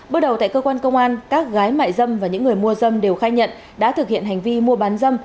bước đầu tại cơ quan công an các gái mại dâm và những người mua dâm đều khai nhận đã thực hiện hành vi mua bán dâm